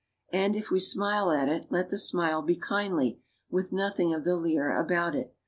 And if we smile at it, let the smile be kindly, with nothing of the leer about it.